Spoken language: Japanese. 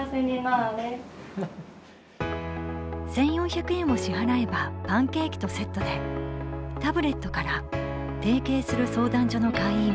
１４００円を支払えばパンケーキとセットでタブレットから提携する相談所の会員